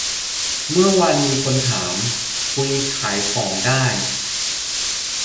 เมื่อวานมีคนถาม คุยขายของได้